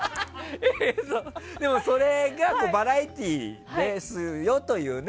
でも、それがバラエティーですよというね。